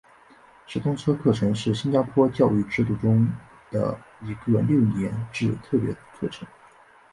直通车课程是新加坡教育制度中的一个六年制特别课程。